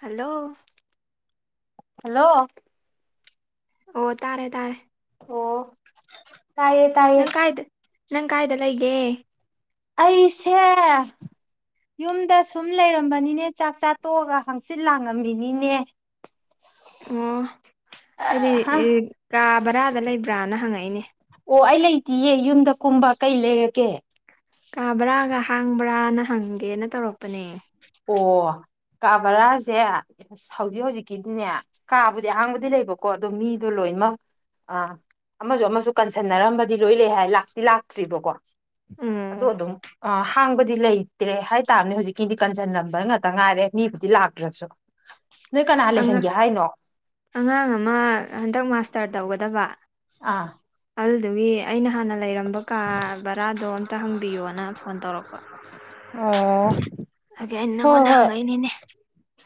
Hello hello ꯑꯣ ꯇꯥꯔꯦ ꯇꯥꯔꯦ ꯑꯣ ꯇꯥꯏꯥꯏꯌꯦ ꯇꯥꯏꯌꯦ ꯅꯪ ꯀꯥꯏꯗ ꯅꯪ ꯀꯥꯏꯗ ꯂꯩꯒꯦ ꯑꯩꯁꯦ ꯌꯨꯝꯗ ꯁꯨꯝ ꯂꯩꯔꯝꯕꯅꯤꯅꯦ ꯆꯥꯛ ꯆꯥ ꯇꯣꯛꯑꯒ ꯍꯥꯡꯆꯤꯠ ꯂꯥꯡꯉꯝꯃꯤꯅꯤꯅꯦ ꯑꯣ ꯑꯩꯗꯤ ꯑꯍ ꯀꯥ ꯕꯔꯥꯗ ꯂꯩꯕ꯭ꯔꯥꯅ ꯍꯪꯉꯛꯏꯅꯦ ꯑꯣ ꯑꯩ ꯂꯩꯇꯌꯦ ꯌꯨꯝꯗ ꯀꯨꯝꯕ ꯀꯩ ꯂꯩꯔꯒꯦ ꯀꯥꯕ꯭ꯔꯥꯒ ꯍꯥꯡꯕ꯭ꯔꯥꯅ ꯍꯪꯒꯦꯅ ꯇꯧꯔꯛꯄꯅꯦ ꯑꯣ ꯀꯥ ꯕꯔꯥꯁꯦ ꯍꯧꯖꯤꯛ ꯍꯧꯖꯤꯛꯀꯤꯗꯤꯅꯦ ꯀꯥꯕꯨꯗꯤ ꯑꯍꯥꯡꯕꯗꯤ ꯂꯩꯕꯀꯣ ꯑꯗꯣ ꯃꯤꯗꯣ ꯂꯩ ꯂꯣꯏꯅꯃꯛ ꯑ ꯑꯃꯁꯨ ꯑꯃꯁꯨ ꯀꯟꯁꯟꯅꯔꯝꯕꯗꯤ ꯂꯣꯏ ꯂꯩ ꯍꯥꯏ ꯂꯥꯛꯇꯤ ꯂꯥꯛꯇ꯭ꯔꯤꯕꯀꯣ ꯑ ꯎꯝ ꯑꯗꯨꯝ ꯑ ꯍꯥꯡꯕꯗꯤ ꯂꯩꯇ꯭ꯔꯦ ꯍꯥꯏꯇꯥꯥꯔꯅꯦ ꯍꯧꯖꯤꯛꯀꯤꯗꯤ ꯀꯟꯁꯤꯜꯂꯝꯕ ꯉꯥꯛꯇ ꯉꯥꯏꯔꯦ ꯃꯤꯕꯨꯗꯤ ꯂꯥꯛꯇ꯭ꯔꯁꯨ ꯅꯣꯏ ꯀꯅꯥ ꯑꯉꯥꯡ ꯂꯩꯍꯟꯒꯦ ꯍꯥꯏꯅꯣ ꯑꯉꯥꯡ ꯑꯃ ꯍꯟꯗꯛ ꯃꯥꯁꯇꯔ ꯇꯧꯒꯗꯕ ꯑꯥ ꯑꯗꯨꯗꯨꯒꯤ ꯑꯩꯅ ꯍꯥꯟꯅ ꯂꯩꯔꯝꯕ ꯀꯥ ꯕꯔꯥꯗꯣ ꯑꯝꯇ ꯍꯪꯕꯤꯌꯣꯅ ꯐꯣꯟ ꯇꯧꯔꯛꯄ ꯑꯣ ꯑꯗꯨꯒꯤ ꯑꯩꯅ ꯍꯣꯏ ꯅꯪꯉꫭꯟꯗ ꯍꯣꯏ ꯍꯪꯉꯛꯏꯅꯤꯅꯦ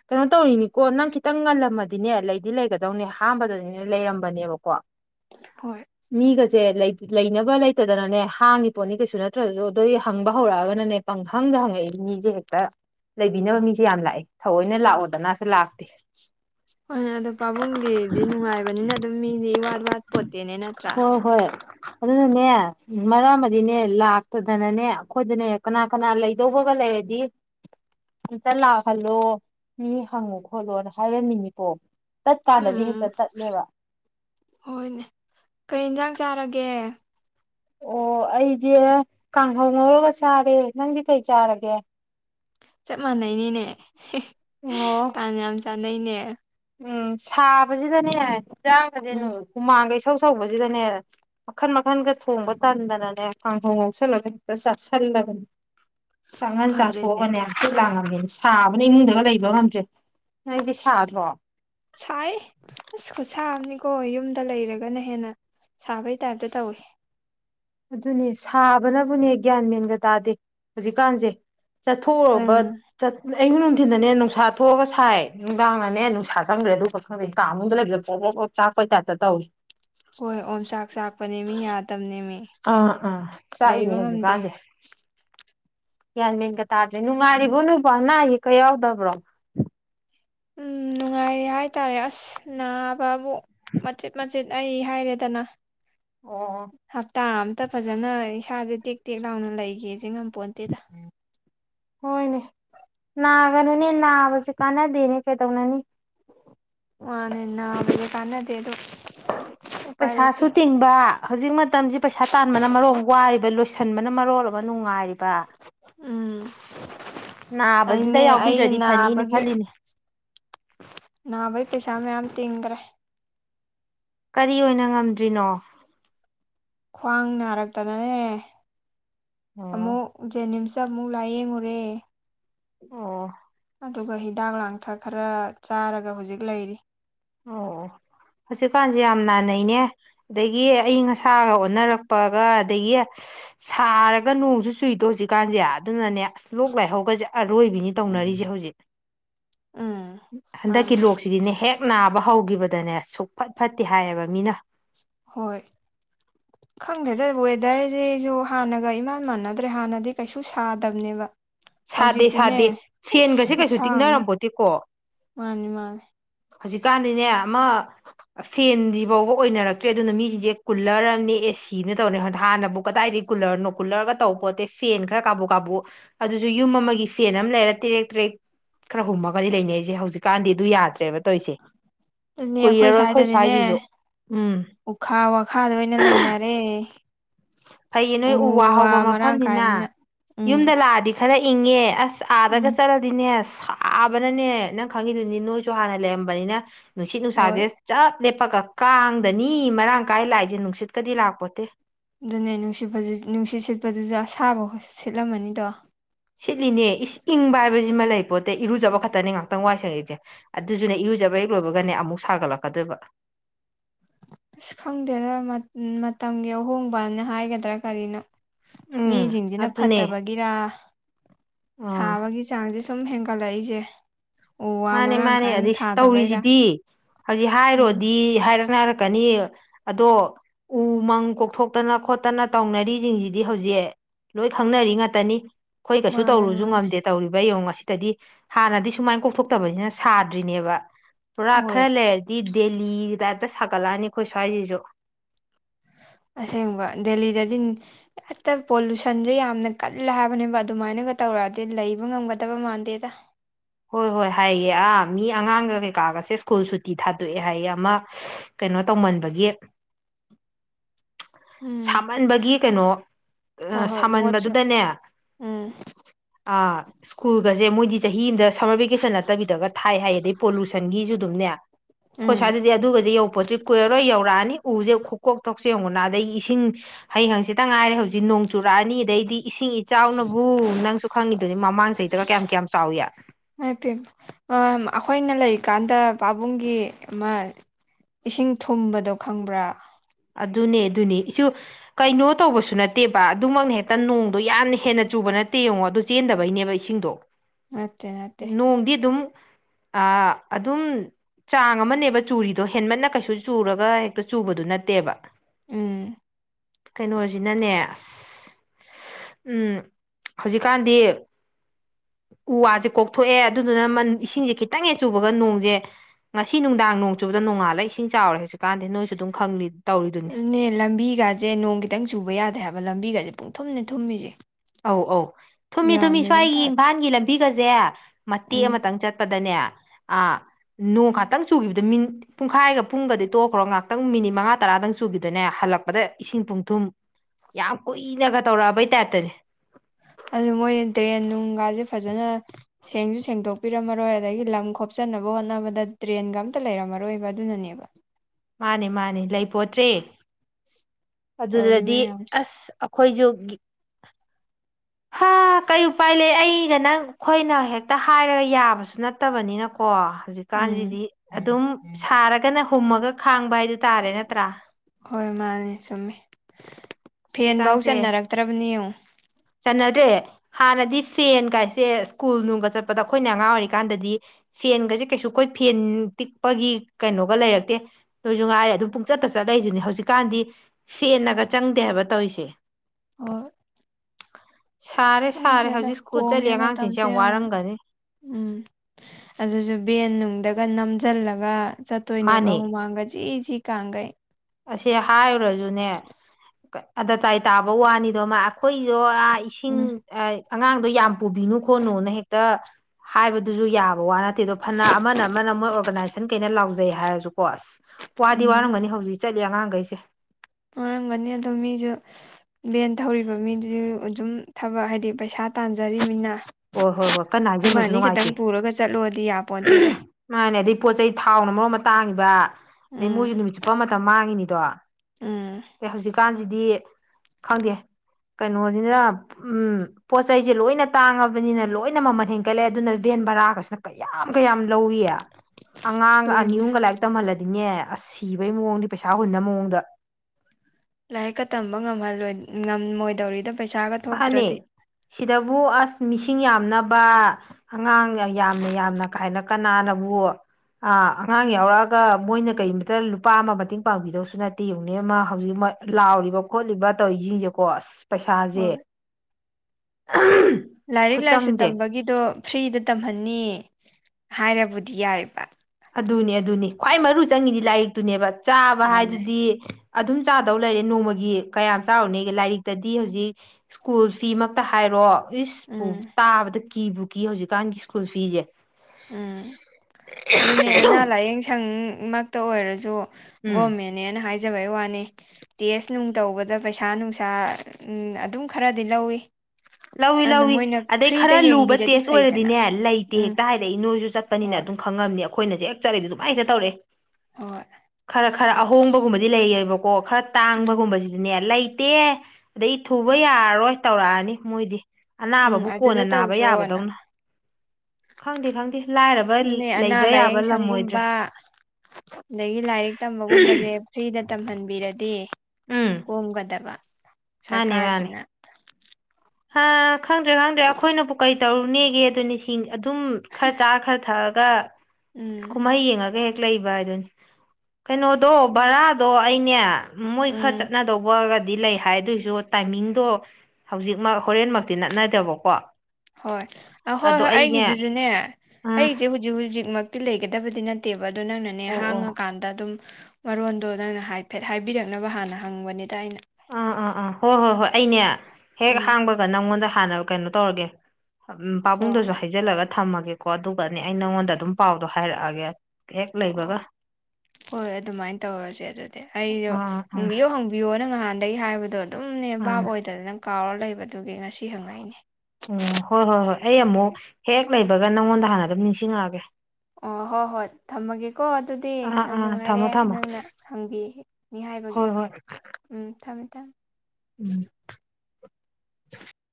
ꯀꯩꯅꯣ ꯇꯧꯔꯤꯅꯤꯀꯣ ꯅꯪ ꯈꯤꯇꯪ ꯉꯜꯂꯝꯃꯗꯤꯅꯦ ꯂꯩꯗꯤ ꯂꯩꯒꯗꯧꯅꯦ ꯑꯍꯥꯟꯕꯗꯅꯤꯅꯦ ꯂꯩꯔꯝꯕꯅꯦꯕꯀꯣ ꯍꯣꯏ ꯃꯤ ꯀ ꯁꯦ ꯂꯩꯅꯕ ꯂꯩꯇꯗꯅꯅꯦ ꯍꯥꯡꯉꯤ ꯄꯣꯠꯅꯤ ꯀꯩꯁꯨ ꯅꯠꯇ꯭ꯔꯁꯨ ꯑꯗꯨꯣꯏ ꯍꯪꯕ ꯍꯧꯔꯛꯑꯒꯅꯅꯦ ꯄꯪ ꯍꯪ ꯍꯪꯉꯛꯏ ꯃꯤꯁꯦ ꯍꯦꯛꯇ ꯂꯩꯕꯤꯅꯕ ꯃꯤꯁꯦ ꯌꯥꯝ ꯂꯥꯛꯑꯦ ꯊꯑꯣꯏꯅ ꯂꯥꯛꯑꯣꯗꯅꯁꯨ ꯂꯥꯛꯇꯦ ꯍꯣꯏ ꯑꯗꯣ ꯄꯥꯕꯨꯡꯒꯤꯗꯤ ꯅꯨꯡꯉꯥꯏꯕꯅꯤꯅ ꯑꯗꯨꯝ ꯃꯤꯗꯤ ꯏꯋꯥꯠ ꯋꯥꯠꯄꯣꯠꯇꯦꯅꯦ ꯅꯠꯇ꯭ꯔꯥ ꯍꯣꯏ ꯍꯣꯏ ꯑꯗꯨꯅꯅꯦ ꯃꯔꯝꯃꯗꯤꯅꯦ ꯂꯥꯛꯇꯗꯅꯅꯦ ꯑꯩꯈꯣꯏꯗꯅꯦ ꯀꯅꯥ ꯀꯅꯥ ꯂꯩꯗꯧꯕꯒ ꯑ ꯂꯥꯛꯜ [inaudible] ꯍꯂꯣ ꯃꯤ ꯍꯪꯉꯣ ꯈꯣꯠꯂꯣꯅ ꯍꯥꯏꯔꯝꯃꯤꯅꯤꯀꯣ ꯇꯠ ꯀꯥꯗꯗꯤ ꯍꯦꯛꯇ ꯎꯝ ꯇꯠꯅꯦꯕ ꯍꯣꯏꯅꯦ ꯀꯩ ꯌꯦꯟꯖꯥꯡ ꯆꯥꯔꯒꯦ ꯑꯣ ꯑꯩꯗꯤ ꯀꯥꯡꯍꯧ ꯉꯧꯔꯒ ꯆꯥꯔꯦ ꯅꯪꯗꯤ ꯀꯩ ꯆꯥꯔꯒꯦ ꯆꯞ ꯃꯥꯟꯅꯩꯅꯦꯅꯦ ꯑꯣ ꯇꯥꯟꯅ ꯌꯥꯝ ꯆꯥꯅꯩꯅꯦ ꯎꯝ ꯁꯥꯕꯁꯤꯗꯅꯦ ꯆꯥꯕꯗꯤꯅꯨ ꯎꯝ ꯍꯨꯃꯥꯡꯈꯩ ꯑꯆꯧ ꯁꯧꯕꯁꯤꯗꯅꯦ ꯃꯈꯟ ꯃꯈꯟꯒ ꯊꯣꯡꯕ ꯇꯟꯗꯅꯅꯦ ꯀꯥꯡꯍꯧ ꯍꯧꯁꯜꯂꯒ ꯍꯦꯛꯇ ꯆꯥꯁꯤꯜꯂꯤ ꯆꯉꯅ ꯐꯔꯦꯅꯦ ꯆꯊꯣꯑꯣꯕꯅꯦ ꯑꯗꯨꯅ ꯑꯁꯨ ꯂꯉ ꯃꯤꯁꯤ ꯁꯥꯕꯅꯦ ꯏꯃꯨꯡꯗꯒ ꯂꯩꯕ ꯉꯝꯗꯦ ꯅꯗꯤ ꯁꯥꯗ꯭ꯔꯣ ꯁꯥꯏ ꯑꯁ ꯈꯨꯠꯁꯥꯝꯅꯤꯀꯣ ꯌꯨꯝꯗ ꯂꯩꯔꯒꯅ ꯍꯦꯟꯅ ꯁꯥꯕꯩ ꯇꯥꯏꯞꯇ ꯇꯧꯋꯤ ꯑꯗꯨꯅꯦ ꯁꯥꯕꯅꯕꯨꯅꯦ ꯒ꯭ꯌꯥꯟ ꯃꯦꯟꯒ ꯇꯥꯗꯦ ꯍꯧꯖꯤꯛꯀꯥꯟꯁꯦ ꯎꯝ ꯆꯠꯊꯣꯛꯑꯕ ꯑꯌꯨꯛ ꯅꯨꯡꯊꯤꯟꯗꯅꯦ ꯅꯨꯡꯁꯥ ꯊꯣꯛꯑꯒ ꯁꯥꯏ ꯅꯨꯡꯗꯥꯡꯅꯅꯦ ꯅꯨꯡꯁꯥ ꯆꯪꯗ꯭ꯔꯦ ꯑꯗꯨ ꯈꯛ ꯈꯪꯗꯦ ꯏ ꯀꯥ ꯃꯅꯨꯡꯗ ꯂꯩꯕꯗ ꯄꯣꯛ ꯑꯣ ꯆꯥꯛꯄꯣꯏ ꯇꯥꯇ ꯇꯧꯏꯤ ꯍꯣꯏ ꯑꯣꯝꯆꯥꯛ ꯆꯥꯛꯄꯅꯦ ꯃꯤ ꯌꯥꯗꯕꯅꯦ ꯃꯤ ꯑꯥ ꯑꯥ ꯂꯩꯕ ꯆꯥꯛꯏꯅꯦ ꯉꯝꯗꯦ ꯍꯧꯖꯤꯛꯀꯥꯟꯁꯦ ꯌꯥꯒ꯭ꯌꯥꯟꯃꯦꯟꯒ ꯇꯥꯗ꯭ꯔꯦ ꯅꯨꯡꯉꯥꯏꯔꯤꯕꯣ ꯅꯣꯏꯕꯅꯥ ꯑꯌꯦꯛꯀ ꯌꯥꯎꯗꯕ꯭ꯔꯣ ꯅꯨꯡꯉꯥꯏꯔꯦ ꯍꯥꯏꯇꯥꯥꯔꯦ ꯑꯁ ꯅꯥꯕꯕꯨ ꯃꯆꯤꯠ ꯃꯆꯤꯠ ꯑꯩ ꯍꯥꯏꯔꯦꯗꯅ ꯑꯣ ꯍꯞꯇꯥ ꯑꯝꯇ ꯐꯖꯅ ꯏꯁꯥꯁꯦ ꯇꯦꯛ ꯇꯦꯛ ꯂꯥꯎꯅ ꯂꯩꯒꯦꯁꯦ ꯉꯝꯄꯣꯟꯇꯦꯗ ꯍꯣꯏꯅꯦ ꯅꯥꯒꯅꯨꯅꯦ ꯅꯥꯕꯁꯦ ꯀꯥꯟꯅꯗꯦꯅꯦ ꯀꯩꯗꯧꯅꯅꯤ ꯑꯅꯤꯅꯕꯦ ꯇꯅꯗ ꯑꯗꯨ ꯄꯩꯁꯥꯁꯨ ꯇꯤꯡꯕ ꯍꯧꯖꯤꯛ ꯃꯇꯝꯁꯤ ꯄꯩꯁꯥ ꯇꯥꯟꯕꯅ ꯃꯔꯣꯡ ꯋꯥꯔꯤꯕ ꯂꯣꯏꯁꯤꯟꯕꯅ ꯃꯔꯣꯜ ꯑꯃ ꯅꯨꯡꯉꯥꯏꯔꯤꯕ ꯎꯝ ꯅꯥꯕꯁꯤꯗ ꯑꯗꯨꯅꯦ ꯑꯩ ꯌꯥꯎꯕꯤꯗ꯭ꯔꯗꯤ ꯐꯅꯤꯅ ꯅꯥꯕꯒꯤ ꯈꯜꯂꯤꯅꯦ ꯕꯩ ꯄꯩꯁꯥ ꯃꯌꯥꯝ ꯇꯤꯡꯒ꯭ꯔꯦ ꯀꯔꯤ ꯑꯣꯏꯅ ꯉꯝꯗ꯭ꯔꯤꯅꯣ ꯭ꯋꯥꯡ ꯅꯥꯔꯛꯇꯅꯅꯦ ꯑꯣ ꯑꯃꯨꯛ ꯖꯦꯅꯤꯝꯁ ꯇ ꯑꯃꯨꯛ ꯂꯥꯏꯌꯦꯡꯉꯨꯔꯦ ꯑꯣ ꯑꯗꯨꯒ ꯍꯤꯗꯥꯛ ꯂꯥꯡꯊꯛ ꯈꯔ ꯆꯥꯔꯒ ꯍꯧꯖꯤꯛ ꯂꯩꯔꯤ ꯑꯣ ꯍꯧꯖꯤꯛꯀꯥꯟꯁꯦ ꯌꯥꯝ ꯅꯥꯅꯩꯅꯦ ꯑꯗꯒꯤ ꯑꯏꯪ ꯑꯁꯥꯒ ꯑꯣꯟꯅꯔꯛꯄꯒ ꯑꯗꯒꯤ ꯁꯥꯔꯒ ꯅꯣꯡꯁꯨ ꯆꯨꯏꯗꯣ ꯍꯧꯖꯤꯛꯀꯥꯟꯁꯦ ꯑꯗꯨꯅꯅꯦ ꯑꯁ ꯂꯣꯛ ꯂꯥꯏꯍꯧꯒꯁꯦ ꯑꯔꯣꯏꯕꯤꯅꯤ ꯇꯧꯅꯔꯤꯁꯦ ꯍꯧꯖꯤꯛ ꯎꯝ ꯃꯥꯅꯦ ꯍꯟꯗꯛꯀꯤ ꯂꯣꯛꯁꯤꯗꯤꯅꯦ ꯍꯦꯛ ꯅꯥꯕ ꯍꯧꯈꯤꯕꯗꯅꯦ ꯁꯨꯛ ꯐꯠ ꯐꯠꯇꯦ ꯍꯥꯏꯌꯦꯕ ꯃꯤꯅ ꯍꯣꯏ ꯈꯪꯗꯦꯗ ꯋꯦꯗꯔ ꯁꯦꯁꯨ ꯍꯥꯟꯅꯒ ꯏꯃꯥꯟ ꯃꯥꯟꯅꯗ꯭ꯔꯦ ꯍꯥꯟꯅꯗꯤ ꯀꯩꯁꯨ ꯁꯥꯗꯕꯅꯦꯕ ꯁꯥꯗꯦ ꯍꯧꯖꯤꯛꯇꯤꯅꯦ ꯁꯥꯗꯦ ꯑꯁ ꯐꯦꯟꯒꯁꯦ ꯈꯨꯠ ꯀꯩꯁꯨ ꯁꯥꯥꯝꯅꯤ ꯇꯤꯛꯅꯔꯝꯄꯣꯠꯇꯦꯀꯣ ꯃꯥꯅꯤ ꯃꯥꯅꯤ ꯍꯧꯖꯤꯛꯀꯥꯟꯗꯤꯅꯦ ꯑꯃ ꯐꯦꯟꯁꯤ ꯐꯥꯎꯕ ꯑꯣꯏꯅꯔꯛꯇ꯭ꯔꯦ ꯑꯗꯨꯅ ꯃꯤꯁꯤꯡꯁꯦ ꯀꯨꯜꯂꯔ ꯑꯃꯅꯦ ꯑꯦꯁꯤꯅ ꯇꯧꯔꯦ ꯍꯥꯟꯅꯕꯨ ꯀꯗꯥꯏꯗꯒꯤ ꯀꯨꯂꯔ ꯅꯣ ꯀꯨꯜꯂꯔꯒ ꯇꯧ ꯄꯣꯠꯇꯦ ꯐꯦꯟ ꯈꯔ ꯀꯥꯕꯨ ꯀꯥꯕꯨ ꯑꯗꯨꯁꯨ ꯌꯨꯝ ꯑꯃꯒꯤ ꯐꯦꯟ ꯑꯃ ꯂꯩꯔ ꯇꯦꯔꯦ ꯇꯔꯦ ꯈꯔ ꯍꯨꯝꯃꯒꯗꯤ ꯂꯩꯅꯩꯔꯤꯁꯦ ꯍꯧꯖꯤꯛꯀꯥꯟꯗꯤ ꯑꯗꯨ ꯌꯥꯗ꯭ꯔꯦꯕ ꯇꯧꯔꯤꯁꯦ ꯑꯗꯨꯅꯦ ꯑꯩꯈꯣꯏ ꯀꯨꯏꯔꯔꯣꯏ ꯁ꯭ꯋꯥꯏꯗꯅꯤꯅꯦ ꯁ꯭ꯋꯥꯏꯁꯤꯁꯨ ꯎꯝ ꯎꯈꯥ ꯋꯥꯈꯥꯗ ꯑꯣꯏꯅ ꯂꯩꯅꯔꯦ ꯐꯩꯌꯦ ꯅꯣꯏ ꯎ ꯋꯥ ꯍꯥꯎꯕ ꯃꯐꯝꯅꯤꯅ ꯎꯝ ꯌꯨꯝꯗ ꯂꯥꯛꯑꯗꯤ ꯈꯔ ꯏꯪꯉꯦ ꯑꯁ ꯑꯥꯗꯒ ꯎꯝ ꯆꯠꯂꯗꯤꯅꯦ ꯑꯁ ꯁꯥꯕꯅꯅꯦ ꯅꯪ ꯈꯪꯉꯗꯨꯅꯤ ꯅꯣꯏꯁꯨ ꯍꯥꯟꯅ ꯂꯩꯔꯝꯕꯅꯤꯅ ꯅꯨꯡꯁꯤꯠ ꯍꯣꯏ ꯅꯨꯡꯁꯥꯁꯦ ꯆꯞ ꯂꯦꯞꯄꯒ ꯀꯥꯡꯗꯅꯤ ꯃꯔꯥꯡ ꯀꯥꯏ ꯂꯥꯛꯏꯁꯦ ꯅꯨꯡꯁꯤꯠꯀꯗꯤ ꯂꯥꯛꯄꯣꯠꯇꯦ ꯑꯗꯨꯅꯦ ꯅꯨꯡꯁꯤꯠ ꯅꯨꯡꯁꯤꯠ ꯁꯤꯠꯄꯗꯨꯁꯨ ꯑꯁꯥꯕ ꯁꯤꯠꯂꯝꯃꯅꯤꯗꯣ ꯁꯤꯠꯂꯤꯅꯦ ꯏꯪꯕ ꯍꯥꯏꯕꯁꯤꯃ ꯂꯩ ꯄꯣꯠꯇꯦ ꯏꯔꯨꯖꯕ ꯈꯛꯇꯅꯤ ꯉꯥꯏꯍꯥꯛꯇꯪ ꯋꯥꯏ ꯁꯪꯉꯛꯁꯦ ꯑꯗꯨꯁꯨꯅꯦ ꯏꯔꯨꯖꯕ ꯦꯛ ꯂꯣꯏꯕꯒꯅꯦ ꯑꯃꯨꯛ ꯁꯥꯒꯠꯂꯛꯀꯗꯣꯏꯕ [inaudible] ꯑꯁ ꯈꯪꯗꯦꯗ ꯃꯇꯝꯒꯤ ꯑꯍꯣꯡꯕꯅ ꯍꯥꯏꯒꯗ꯭ꯔꯥ ꯀꯔꯤꯅꯣ ꯎꯝ ꯃꯤꯁꯤꯡꯁꯤꯅ ꯑꯗꯨꯅꯦ ꯐꯠꯇꯕꯒꯤꯔꯥ ꯑꯥ ꯁꯥꯕꯒꯤ ꯆꯥꯡꯁꯦ ꯁꯨꯝ ꯍꯦꯟꯒꯠ ꯀꯂꯛꯏꯁꯦ ꯃꯥꯅꯦ ꯃꯥꯅꯦ ꯑꯩ ꯇꯧꯔꯤꯁꯤꯗꯤ ꯍꯧꯖꯤꯛ ꯎꯝ ꯍꯥꯏꯔꯣꯗꯤ ꯍꯥꯏꯔ ꯈꯪꯅꯥꯔꯛꯀꯅꯤ ꯑꯗꯣ ꯎꯃꯪ ꯀꯣꯛꯊꯣꯛꯇꯅ ꯈꯣꯠꯇꯅ ꯇꯧꯅꯔꯤꯁꯤꯡꯁꯤꯗꯤ ꯍꯧꯖꯤꯛ ꯂꯣꯏ ꯈꯪꯅꯔꯤ ꯉꯥꯛꯇꯅꯤ ꯑꯩꯈꯣꯏ ꯀꯩꯁꯨ ꯃꯥꯅꯦ ꯇꯧꯔꯨꯁꯨ ꯃꯥꯅꯦ ꯉꯝꯗꯦ ꯇꯧꯔꯤꯕ ꯌꯦꯡꯉꯣ ꯉꯁꯤꯗꯗꯤ ꯍꯥꯟꯅꯗꯤ ꯁꯨꯃꯥꯏꯅ ꯀꯣꯛꯊꯣꯛ ꯐꯠꯇꯕꯅꯤꯅ ꯁꯥꯗ꯭ꯔꯤꯅꯦꯕ ꯄꯨꯔꯥ ꯍꯣꯏ ꯈꯔ ꯂꯩꯔꯗꯤ ꯗꯦꯜꯂꯤꯒꯤ ꯇꯥꯏꯞꯇ ꯁꯥꯒꯠꯂꯛꯑꯅꯤꯈꯣꯏ ꯁ꯭ꯋꯥꯏꯁꯤꯁꯨ ꯑꯁꯦꯡ ꯏꯕ ꯗꯦꯜꯂꯤꯗꯗꯤ ꯍꯇ ꯄꯣꯂꯨꯁꯟꯁꯦ ꯌꯥꯝꯅ ꯀꯜꯂꯦ ꯍꯥꯏꯕꯅꯦꯕ ꯑꯗꯨꯃꯥꯏꯅꯒ ꯇꯧꯔꯛꯑꯗꯤ ꯂꯩꯕ ꯉꯝꯒꯗꯕ ꯃꯥꯟꯗꯦꯗ ꯍꯣꯏ ꯍꯣꯏ ꯍꯥꯏꯌꯦ ꯑꯥ ꯃꯤ ꯑꯉꯥꯡꯒ ꯀꯩꯀꯥꯒꯁꯦ ꯁ꯭ꯀꯨꯜ ꯁꯨꯇꯤ ꯊꯥꯗꯣꯛꯑꯦ ꯍꯥꯏꯌꯦ ꯑꯃ ꯀꯩꯅꯣ ꯇꯧꯃꯟꯕꯒꯤ [inaudible] ꯎꯝ ꯁꯥꯃꯟꯕꯒꯤ ꯀꯩꯅꯣ ꯍꯣꯏ ꯍꯣꯏ ꯃꯣꯠꯁꯨ ꯁꯥꯃꯟꯕꯗꯨꯗꯅꯦ ꯎꯝ ꯑ ꯁ꯭ꯀꯨꯜꯒꯁꯦ ꯃꯣꯏꯗꯤ ꯆꯍꯤ ꯑꯃꯗ ꯁꯝꯃꯔ ꯚꯦꯀꯦꯁꯟ ꯅꯠꯇꯕꯤꯗꯒ ꯊꯥꯏ ꯍꯥꯏ ꯑꯗꯩ ꯄꯣꯂꯨꯁꯟꯒꯤꯁꯨ ꯑꯗꯨꯝꯅꯦ ꯍꯣꯏ ꯎꯝ ꯁ꯭ꯋꯥꯏꯗꯗꯤ ꯑꯗꯨꯒꯗꯤ ꯌꯧ ꯄꯣꯠꯁꯤ ꯀꯨꯏꯔꯣꯏ ꯌꯧꯔꯛꯑꯅꯤ ꯎꯁꯦ ꯈꯨꯛ ꯀꯣꯛ ꯊꯧꯁ ꯌꯦꯡꯉꯨꯅ ꯑꯗꯒꯤ ꯏꯁꯤꯡ ꯍꯩ ꯍꯪꯁꯤꯇ ꯉꯥꯏꯔꯦ ꯍꯧꯖꯤꯛ ꯅꯣꯡ ꯆꯨꯔꯛꯑꯅꯤ ꯑꯗꯩꯗꯤ ꯏꯁꯤꯡ ꯏꯪ ꯏꯆꯥꯎꯅꯕꯨ ꯅꯪꯁꯨ ꯈꯪꯉꯤꯗꯨꯣꯏꯅꯦ ꯃꯃꯥꯡ ꯆꯍꯤꯩꯗꯒ ꯀꯌꯥꯝ ꯀꯌꯥꯝ ꯆꯥꯎꯏ ꯍꯥꯏ ꯄ ꯑꯩꯈꯣꯏꯅ ꯂꯩꯔꯤꯀꯥꯟꯗ ꯄꯥꯕꯨꯡꯒꯤ ꯑꯃ ꯏꯁꯤꯡ ꯊꯨꯝꯕꯗꯣ ꯈꯪꯕ꯭ꯔꯥ ꯑꯗꯨꯅꯦ ꯑꯗꯨꯅꯦ ꯏꯁꯨ ꯀꯩꯅꯣ ꯇꯧꯕꯁꯨ ꯅꯠꯇꯦꯕ ꯑꯗꯨꯃꯛꯅ ꯍꯦꯛꯇ ꯅꯣꯡꯗꯣ ꯌꯥꯝꯅ ꯍꯦꯟꯅ ꯆꯨꯕꯅꯤ ꯅꯠꯇꯦ ꯌꯦꯡꯉꯣ ꯑꯗꯨ ꯆꯦꯟꯗꯕꯩꯅꯦꯕ ꯏꯁꯤꯡꯗꯣ ꯅꯠꯇꯦ ꯅꯠꯇꯦ ꯅꯣꯡꯗꯤ ꯑꯗꯨꯝ ꯑ ꯑꯗꯨꯝ ꯆꯥꯡ ꯑꯃꯅꯦꯕ ꯆꯨꯔꯤꯗꯣ ꯍꯦꯟꯃꯠꯅ ꯀꯩꯁꯨ ꯆꯨꯔꯒ ꯍꯦꯛꯇ ꯆꯨꯕꯗꯨ ꯅꯠꯇꯦꯕ ꯎꯝ ꯀꯩꯅꯣꯁꯤꯅꯅꯦ ꯑꯁ ꯎꯝ ꯍꯧꯖꯤꯛꯀꯥꯟꯗꯤ ꯎ ꯋꯥꯁꯦ ꯀꯣꯛꯊꯣꯛꯑꯦ ꯑꯗꯨꯗꯨꯅ ꯃꯟ ꯏꯁꯤꯡꯁꯦ ꯈꯤꯇꯪ ꯍꯦꯛ ꯆꯨꯕꯒ ꯅꯣꯡꯁꯦ ꯉꯁꯤ ꯅꯨꯡꯗꯥꯡ ꯅꯣꯡ ꯆꯨꯕꯗ ꯅꯣꯡꯉꯥꯜꯂꯒ ꯏꯁꯤꯡ ꯆꯥꯎꯔꯦ ꯍꯧꯖꯤꯛ ꯀꯥꯟꯗꯤ ꯅꯣꯏꯁꯨ ꯑꯗꯨꯝ ꯈꯪꯂꯤ ꯇꯧꯔꯤꯗꯨꯅꯤ ꯑꯗꯨꯅꯦ ꯂꯝꯕꯤꯒꯁꯦ ꯅꯣꯡ ꯈꯤꯇꯪ ꯆꯨꯕ ꯌꯥꯗꯦ ꯍꯥꯏꯕ ꯂꯝꯕꯤꯒꯁꯦ ꯄꯨꯡ ꯊꯨꯝꯅꯦ ꯊꯨꯝꯃꯤꯁꯦ ꯑꯧ ꯑꯧ ꯊꯨꯝꯃꯤ ꯒ꯭ꯌꯥꯟ ꯊꯨꯝꯃꯤ ꯃꯦꯟ ꯑꯃ ꯁ꯭ꯋꯥꯏꯒꯤ ꯇꯥꯗꯦ ꯏꯝꯐꯥꯜꯒꯤ ꯂꯝꯕꯤꯒꯁꯦ ꯃꯇꯦꯛ ꯎꯝ ꯑꯃꯇꯪ ꯆꯠꯄꯗ ꯭ꯔ ꯉ [unintelligible] ꯃꯉꯥ ꯇꯔꯥꯗꯪ ꯆꯨꯈꯤꯗꯣꯏꯅꯦ ꯍꯜꯂꯛꯄꯗ ꯏꯁꯤꯡ ꯄꯨꯡ ꯊꯨꯝ ꯌꯥꯝ ꯀꯨꯏꯅꯒ ꯇꯧꯔꯛꯑꯕꯩ ꯇꯥꯏꯔꯦꯇꯗꯤ ꯑꯗꯨ ꯃꯣꯏ ꯗ꯭ꯔꯦꯟ ꯅꯨꯡꯒꯥꯁꯦ ꯐꯖꯅ ꯁꯦꯡꯁꯨ ꯁꯦꯡꯗꯣꯛ ꯄꯄꯤꯔꯝꯃꯔꯣꯏ ꯑꯗꯒꯤ ꯂꯝ ꯈꯣꯞꯆꯟꯅꯕ ꯍꯣꯠꯅꯕꯗ ꯇ꯭ꯔꯦꯟꯒ ꯑꯝꯇ ꯂꯩꯔꯝꯃꯔꯣꯏꯕ ꯑꯗꯨꯅꯅꯦꯕ ꯃꯥꯅꯦ ꯃꯥꯅꯦ ꯂꯩ ꯄꯣꯠꯇ꯭ꯔꯔꯤ ꯇꯧꯔꯤ ꯑꯗꯨꯗꯗꯤ ꯃꯌꯥꯝꯁꯦ ꯑꯁ ꯑꯩꯈꯣꯏꯁꯨ ꯍꯥ ꯀꯩ ꯎꯄꯥꯏ ꯂꯩ ꯑꯩꯒ ꯅꯪ ꯑꯩꯈꯣꯏꯅ ꯍꯦꯛꯇ ꯍꯥꯏꯔꯒ ꯌꯥꯕꯁꯨ ꯅꯠꯇꯕꯅꯤꯅꯀꯣ ꯎꯝ ꯍꯧꯖꯤꯛꯀꯥꯟꯁꯤꯗꯤ ꯑꯗꯨꯝ ꯁꯥꯔꯒꯅ ꯍꯨꯝꯃꯒ ꯈꯥꯡꯕ ꯍꯥꯏ ꯍꯣꯏ ꯃꯥꯅꯤ ꯆꯨꯝꯃꯤ꯫ ꯐꯦꯟꯐꯧ ꯍꯧꯖꯤꯛꯀꯥꯟꯁꯦ ꯆꯟꯅꯔꯛꯇ꯭ꯔꯕꯅꯦꯌꯦꯉꯣ ꯫ ꯆꯟꯅꯗ꯭ꯔꯦ ꯍꯥꯟꯅꯗꯤ ꯐꯦꯟꯒꯥꯏꯁꯦ ꯁ꯭ꯀꯨꯜ ꯅꯨꯡꯒ ꯆꯠꯄꯗ ꯈꯣꯏꯅ ꯑꯉꯥꯡ ꯑꯣꯏꯔꯤꯀꯥꯟꯗꯗꯤ ꯐꯦꯟꯒꯁꯦ ꯀꯩꯁꯨ ꯀꯣꯏ ꯐꯦꯟ ꯇꯤꯛꯄꯒꯤ ꯀꯩꯅꯣꯒ ꯂꯩꯔꯛꯇꯦ ꯅꯣꯏꯁꯨ ꯉꯥꯏꯔꯦ ꯑꯗꯨꯝ ꯄꯨꯡꯆꯠꯇ ꯆꯠꯂꯏꯗꯨꯅꯦ ꯍꯧꯖꯤꯛꯀꯥꯟꯗꯤ ꯐꯦꯟꯅꯒ ꯆꯪꯗꯦ ꯍꯥꯏꯕ ꯇꯧꯏꯁꯦ꯫ ꯑꯣ ꯁꯥꯔꯦ ꯁꯥꯔꯦ ꯈꯪꯗ꯭ꯔꯦꯗ ꯍꯧꯖꯤꯛ ꯁ꯭ꯀꯨꯜ ꯍꯣꯡꯉꯦ ꯆꯠꯂꯤ ꯑꯉꯥꯡꯁꯤꯡꯁꯦ ꯃꯇꯝꯁꯦ ꯌꯥꯝ ꯌꯥꯝꯅ꯫ ꯋꯥꯔꯝꯒꯅꯤ ꯎꯝ ꯑꯗꯨꯁꯨ ꯕꯦꯟꯅꯨꯡꯗ ꯒ ꯅꯝꯖꯜꯂꯒ ꯆꯠꯇꯣꯏꯅꯦꯕ ꯃꯥꯅꯦ ꯍꯨꯃꯥꯡꯒ ꯖꯤꯖꯤ ꯀꯥꯡꯒꯩ꯫ ꯑꯁꯦ ꯍꯥꯏꯔꯨꯔꯁꯨꯅꯦ ꯀ ꯑꯇꯗꯥꯥꯏ ꯇꯥꯕ ꯋꯥꯅꯤꯗꯣ ꯃꯥ ꯑꯩꯈꯣꯏꯗꯣ ꯑ ꯏꯁꯤꯡ ꯎꯝ ꯑꯩ ꯑꯉꯥꯡꯗꯣ ꯌꯥꯝ ꯄꯨꯕꯤꯅꯨ ꯈꯣꯠꯅꯨꯅ ꯍꯦꯛꯇ ꯍꯥꯏꯕꯗꯨꯁꯨ ꯌꯥꯕ ꯋꯥ ꯅꯠꯇꯦꯗꯣ ꯐꯅ ꯑꯃꯅ ꯑꯃꯅ ꯃꯣꯏ ꯑꯣꯔꯒꯅꯥꯏꯖꯦꯁꯟ ꯀꯩꯅ ꯂꯥꯎꯖꯩ ꯍꯥꯏꯔꯁꯨꯀꯣ ꯑꯁ ꯋꯥꯗꯤ ꯋꯥꯔꯝꯒꯅꯤ ꯍꯧꯖꯤꯛ꯫ ꯆꯠꯂꯤ ꯑꯉꯥꯡꯍꯩꯁꯦ꯫ [unintelligible] ꯑꯗꯨ ꯃꯤꯖꯨ ꯚꯦꯟ ꯊꯧꯔꯤꯕ ꯃꯤꯗꯨꯁꯨ ꯑꯗꯨꯝ ꯊꯕꯛ ꯍꯥꯏꯗꯤ ꯄꯩꯁꯥ ꯇꯥꯟꯖꯔꯤꯕꯅꯤꯅ ꯍꯣꯏ ꯍꯣꯏ ꯍꯣꯏ ꯀꯟꯅ ꯍꯥꯏꯖꯤꯟꯕꯁꯨ ꯅꯨꯡꯉꯥꯏꯇꯦ꯫ ꯄꯨꯔꯒ ꯆꯠꯂꯣꯗꯤ ꯌꯥꯄꯣꯟꯇꯦꯗꯣ [unintelligible] ꯃꯥꯅꯦ ꯑꯗꯩ ꯄꯣꯠ ꯆꯩ ꯊꯥꯎꯅ ꯃꯔꯣꯝꯃ ꯇꯥꯡꯉꯤꯕ ꯑꯗꯩ ꯎꯝ ꯃꯣꯏꯁꯨ ꯅꯨꯃꯤꯠ ꯆꯨꯞꯄ ꯃꯇꯝ ꯃꯥꯡꯉꯤꯅꯤꯗꯣ ꯎꯝ ꯑꯦ ꯍꯧꯖꯤꯛꯀꯥꯟ ꯗꯤ ꯈꯪꯗꯦ ꯀꯩꯅꯣꯁꯤꯅ ꯎꯝ ꯄꯣꯠꯆꯩꯁꯦ ꯂꯣꯏꯅ ꯇꯥꯡꯉ ꯅꯤꯅ ꯂꯣꯏꯅ ꯃꯃꯜ ꯍꯦꯟꯒꯠꯂꯦ ꯑꯗꯨꯅ ꯕꯦꯟ ꯕꯔꯥꯒꯁꯤꯅ ꯀꯌꯥꯝ ꯀꯌꯥꯝ ꯂꯧꯋꯤ ꯑꯉꯥꯡ ꯍꯣꯏꯅꯦ ꯑꯅꯤꯍꯨꯝꯒ ꯂꯥꯏꯔꯤꯛ ꯇꯝꯍꯜꯂꯗꯤꯅꯦ ꯁꯤꯕꯩ ꯃꯑꯣꯡꯗꯤ ꯄꯩꯁꯥ ꯍꯨꯟꯅꯕ ꯃꯑꯣꯡꯗ ꯂꯥꯏꯔꯤꯛꯀ ꯇꯝꯕ ꯉꯝꯍꯜꯂꯣꯏ ꯉꯝꯃꯣꯏꯗꯧꯔꯤꯗ꯫ ꯄꯩꯁꯥꯒ ꯐꯅꯤ ꯊꯣꯛꯇ꯭ꯔꯗꯤ ꯁꯤꯗꯕꯨ ꯑꯁ ꯃꯤꯁꯤꯡ ꯌꯥꯝꯅꯕ ꯑꯉꯥꯡ ꯌꯥꯝꯅ ꯌꯥꯝꯅ ꯀꯥꯏꯅ ꯀꯅꯥꯅꯕꯨ ꯑ ꯑꯉꯥꯡ ꯌꯥꯎꯔꯛꯑꯒ ꯃꯣꯏꯅ ꯀꯩꯝꯇ ꯂꯨꯄꯥ ꯑꯃ ꯃꯇꯦꯡ ꯄꯥꯡꯕꯤꯗꯧꯁꯨ ꯅꯠꯇꯦ ꯌꯦꯡꯅꯦ ꯃꯥ ꯍꯧꯖꯤꯛ ꯃꯥ ꯂꯥꯎꯔꯤꯕ ꯈꯣꯠꯂꯤꯕ ꯇꯧꯔꯤꯁꯤꯡꯖꯦꯀꯣ ꯑꯁ ꯄꯩꯁꯥꯖꯦ ꯍꯣꯏ [unintelligible] ꯂꯥꯏꯔꯤꯛ ꯂꯥꯏꯁꯨ ꯈꯨꯆꯪꯁꯦ ꯇꯝꯕꯒꯤꯗꯣ ꯐ꯭ꯔꯤꯗ ꯇꯝꯍꯟꯅꯤ꯫ ꯍꯥꯏꯔꯕꯨꯗꯤ ꯌꯥꯏꯕ꯫ ꯑꯗꯨꯅꯤ ꯑꯗꯨꯅꯤ ꯈ꯭ꯋꯥꯏ ꯃꯔꯨ ꯆꯪꯉꯤꯗꯤ ꯂꯥꯏꯔꯤꯛꯇꯨꯅꯦꯕ ꯆꯥꯕ ꯃꯥꯅꯦ ꯍꯥꯏꯗꯨꯗꯤ ꯑꯗꯨꯝ ꯆꯥꯗꯧ ꯂꯩꯔꯦ ꯅꯣꯡꯃꯒꯤ ꯀꯌꯥꯝ ꯆꯥꯔꯨꯅꯤꯒꯦ ꯂꯥꯏꯔꯤꯛꯇꯗꯤ ꯍꯧꯖꯤꯛ ꯁ꯭ꯀꯨꯜ ꯐꯤꯃꯛꯇ ꯍꯥꯏꯔꯣ ꯏꯁꯄꯨ ꯎꯝ ꯇꯥꯕꯗ ꯀꯤꯕꯨ ꯀꯤ ꯍꯧꯖꯤꯛꯀꯥꯟꯒꯤ ꯁ꯭ꯀꯨꯜ ꯐꯤꯁꯦ꯫ ꯎꯝ ꯑꯗꯨꯅꯦ ꯑꯅꯥ ꯂꯥꯏꯌꯦꯡ ꯁꯪꯃꯛꯇ ꯑꯣꯏꯔꯁꯨ ꯎꯝ ꯒꯣꯃꯦꯟꯅꯦꯅ ꯍꯥꯏ ꯄꯤꯖꯕꯩ ꯋꯥꯅꯤ ꯇꯦꯁ ꯅꯨꯡ ꯇꯧꯕꯗ ꯄꯩꯁꯥ ꯅꯨꯡꯁꯥ ꯑꯗꯨꯝ ꯈꯔꯗꯤ ꯂꯧꯋꯤ꯫ ꯂꯧꯏ ꯂꯧꯏ ꯑꯗꯩ ꯈꯔ ꯂꯨꯕ ꯌꯦꯡꯕꯤꯔꯗꯤ ꯇꯦꯁ ꯐꯩꯗꯅ ꯑꯣꯏꯔꯗꯤꯅꯦ ꯂꯩꯇꯦ ꯎꯝ ꯍꯦꯛꯇ ꯍꯥꯏꯔꯛꯏ꯫ ꯅꯣꯏꯁꯨ ꯆꯠꯄꯅꯤꯅ ꯍꯣꯏ ꯑꯗꯨꯝ ꯈꯪꯉꯝꯅꯤ ꯑꯈꯣꯏꯅꯗꯤ ꯍꯦꯛ ꯆꯠꯂꯤꯗꯣ ꯗꯨꯃꯥꯏ ꯍꯦꯛꯇ ꯇꯧꯔꯦ꯫ ꯍꯣꯏ ꯈꯔ ꯈꯔ ꯑꯁ ꯑꯍꯣꯡꯕꯒꯨꯝꯕꯗꯤ ꯂꯩꯌꯦꯕꯀꯣ ꯈꯔ ꯎꯝ ꯇꯥꯡꯕꯒꯨꯝꯕꯁꯤꯗꯤꯅꯦ ꯂꯩ ꯇꯦ ꯑꯗꯩ ꯊꯨꯕ ꯌꯥꯔꯔꯣꯏ ꯇꯧꯔꯛꯑꯅꯤ ꯃꯣꯏꯗꯤ꯫ ꯎꯝ ꯑꯅꯥꯕꯕꯨ ꯑꯗꯨꯗ ꯀꯣꯟꯅ ꯅꯥꯕ ꯇꯧꯁꯣꯅ ꯌꯥꯕꯗꯧꯅ꯫ ꯈꯪꯗꯦ ꯈꯪꯗꯦ ꯂꯥꯏꯔꯕ ꯑꯗꯨꯅꯦ ꯑꯅꯥ ꯂꯩꯕ ꯌꯥꯕ ꯂꯝꯃꯣꯏꯗ꯭ꯔꯦ꯫ ꯂꯥꯏꯌꯦꯡꯁꯪꯒꯨꯝꯕ ꯑꯗꯒꯤ ꯂꯥꯏꯔꯤꯛ ꯇꯝꯕꯒꯨꯝꯕꯁꯦ ꯐ꯭ꯔꯤꯗ ꯇꯝꯍꯟꯕꯤꯔꯗꯤ ꯎꯝ ꯀꯣꯝꯒꯗꯕ ꯃꯥꯅꯤ ꯃꯥꯅꯤ ꯁꯔꯀꯥꯔꯁꯤꯅ꯫ ꯍꯥ ꯈꯪꯗ꯭ꯔꯦ ꯈꯪꯗ꯭ꯔꯦ ꯑꯈꯣꯏꯅꯕꯨ ꯀꯩ ꯇꯧꯔꯨꯅꯦꯒꯦ ꯑꯗꯨꯅꯤ ꯍꯤꯡ ꯑꯗꯨꯝ ꯈꯔ ꯆꯥꯔ ꯈꯔ ꯊꯛꯑꯒ ꯎꯝ ꯀꯨꯝꯍꯩ ꯌꯦꯡꯉꯒ ꯍꯦꯛ ꯂꯩꯕ ꯍꯥꯏꯗꯨꯅꯤ ꯀꯩꯅꯣꯗꯣ ꯚꯔꯥꯗꯣ ꯑꯩꯅꯦ ꯃꯣꯏ ꯈꯔ ꯎꯝ ꯆꯠꯅꯗꯧꯕꯒꯗꯤ ꯂꯩ ꯍꯥꯏ ꯑꯗꯨꯏꯁꯨ ꯇꯥꯏꯃꯤꯡꯗꯣ ꯍꯧꯖꯤꯛ ꯍꯣꯔꯦꯟꯃꯛꯇꯤ ꯅꯠꯅꯗꯕꯀꯣ꯫ ꯍꯣꯏ ꯑ ꯍꯣꯏ ꯑꯗꯣ ꯍꯣꯏ ꯑꯩꯅꯦ ꯑꯩꯒꯤꯗꯨꯗꯤꯅꯦ ꯑꯥ ꯑꯩꯁꯦ ꯍꯧꯖꯤꯛ ꯍꯧꯨꯖꯤꯛꯃꯛꯇꯤ ꯂꯩꯒꯗꯕꯗꯤ ꯅꯠꯇꯦꯕ ꯑꯗꯣ ꯅꯪꯅꯅꯦ ꯑꯣ ꯑꯣ ꯍꯥꯡꯉꯀꯥꯟꯗ ꯑꯗꯨꯝ ꯃꯔꯣꯟꯗꯣ ꯅꯪꯅ ꯍꯥꯏꯐꯦꯠ ꯍꯥꯏꯕꯤꯔꯛꯅꯕ ꯍꯥꯟꯅ ꯍꯪꯕꯅꯤꯗ ꯑꯩꯅ ꯑꯥ ꯑꯥ ꯑꯥ ꯍꯣꯏ ꯍꯣꯏ ꯍꯣꯏ ꯑꯩꯅꯦ ꯍꯦꯛ ꯎꯝ ꯍꯥꯡꯕꯒ ꯅꯪꯉꯣꯟꯗ ꯍꯥꯟꯅ ꯀꯩꯅꯣ ꯇꯧꯔꯒꯦ ꯍꯣꯏ ꯄꯥꯕꯨꯡꯗꯨꯁꯨ ꯍꯥꯏꯖꯤꯜꯂꯒ ꯊꯝꯃꯒꯦꯀꯣ ꯑꯗꯨꯒꯅꯤ ꯑꯩ ꯅꯪꯉꯣꯟꯗ ꯑꯗꯨꯝ ꯄꯥꯎꯗꯣ ꯍꯥꯏꯔꯛꯑꯒꯦ ꯍꯦꯛ ꯍꯣꯏ ꯂꯩꯕꯒ ꯍꯣꯏ ꯑꯗꯨꯃꯥꯏꯅ ꯇꯧꯔꯁꯦ ꯑꯗꯨꯗꯤ ꯑꯩꯗꯣ ꯑꯥ ꯑꯥ ꯍꯪꯕꯤꯌꯣ ꯍꯪꯕꯤꯌꯣ ꯅꯪ ꯉꯍꯥꯟ ꯑꯗꯩ ꯍꯥꯏꯕꯗꯣ ꯑꯗꯨꯝꯅꯦ ꯚꯥꯞ ꯑꯥ ꯑꯣꯏꯗꯗꯅꯪ ꯀꯥꯎꯔ ꯂꯩꯕꯗꯨꯒꯤ ꯉꯁꯤ ꯍꯪꯉꯛꯏꯅꯦ ꯎꯝ ꯍꯣꯏ ꯍꯣꯏ ꯍꯣꯏ ꯑꯩ ꯑꯃꯨꯛ ꯍꯦꯛ ꯂꯩꯕꯒ ꯅꯪꯉꯣꯟꯗ ꯍꯥꯟꯅ ꯑꯗꯨꯝ ꯅꯤꯡꯁꯤꯡꯉꯛꯑꯒꯦ ꯑꯣ ꯍꯣꯏ ꯍꯣꯏ ꯊꯝꯃꯒꯦꯀꯣ ꯑꯗꯨꯗꯤ ꯑꯥ ꯌꯥꯝ ꯑꯥ ꯊꯝꯃꯣ ꯅꯨꯡꯉꯥꯏꯔꯦ ꯊꯝꯃꯣ ꯅꯪꯅ ꯍꯪꯕꯤꯅꯤ ꯍꯥꯏ ꯍꯣꯏ ꯍꯣꯏ ꯎꯝ ꯊꯝꯃꯦ ꯎꯝ